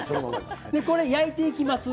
焼いていきます。